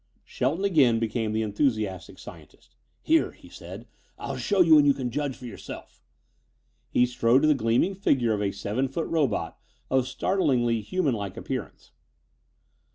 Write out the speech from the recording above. Shelton again became the enthusiastic scientist. "Here," he said, "I'll show you and you can judge for yourself." He strode to the gleaming figure of a seven foot robot of startlingly human like appearance.